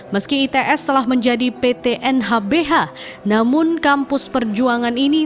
meski its telah menjadi pt nhbh namun kampus perjuangan ini